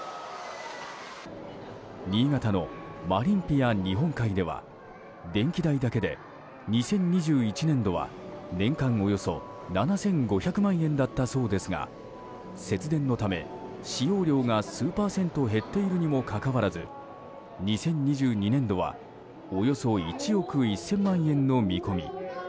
新潟のマリンピア日本海では電気代だけで２０２１年度は年間およそ７５００万円だったそうですが節電のため使用量が数パーセント減っているにもかかわらず２０２２年度はおよそ１億１０００万円の見込み。